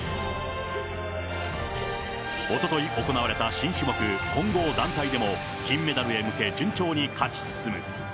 おととい行われた新種目、混合団体でも金メダルへ向け、順調に勝ち進む。